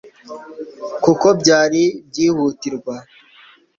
kuko byari ibyihutirwa